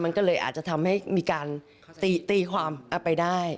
มันก็เลยอาจจะทำให้มีการตีความเอาไปได้